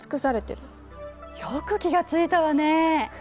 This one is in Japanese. よく気が付いたわね。